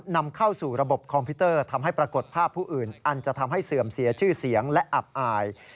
นำเข้าสู่ระบบคอมพิวเตอร์ทำให้ปรากฏภาพผู้อื่นอันจะทำให้เสื่อมเสียชื่อเสียงและอับอาย